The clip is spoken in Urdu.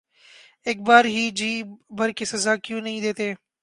اک بار ہی جی بھر کے سزا کیوں نہیں دیتے